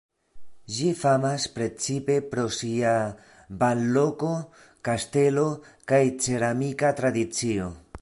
Ĝi famas precipe pro sia banloko, kastelo kaj ceramika tradicio.